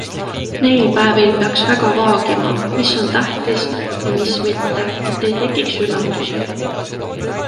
Neil päevil peaks väga vaagima, mis on tähtis ja mis mitte, et ei tekiks üllatusi.